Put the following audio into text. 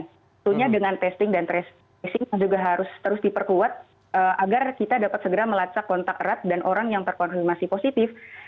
tentunya dengan testing dan tracing juga harus terus diperkuat agar kita dapat segera melacak kontak erat dan orang yang terkonfirmasi positif